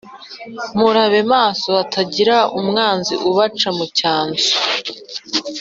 Murabe maso hatagira umwanzi ubaca mucyanzu